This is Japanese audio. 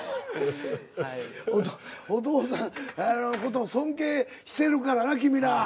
お父さんのことを尊敬してるからな君ら。